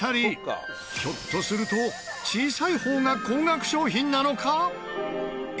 ひょっとすると小さい方が高額商品なのか？